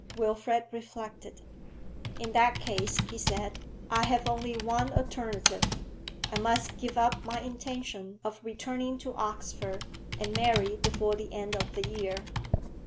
Wilfrid reflected. 'In that case,' he said, 'I have only one alternative. I must give up my intention of returning to Oxford, and marry before the end of the year.'